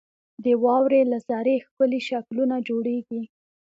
• د واورې له ذرې ښکلي شکلونه جوړېږي.